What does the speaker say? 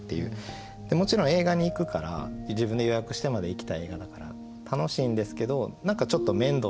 もちろん映画に行くから自分で予約してまで行きたい映画だから楽しいんですけど何かちょっと面倒だなって。